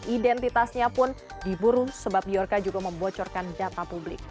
identitasnya pun diburu sebab biorka juga membocorkan data publik